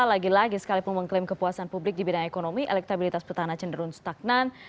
lagi lagi sekalipun mengklaim kepuasan publik di bidang ekonomi elektabilitas petana cenderung stagnan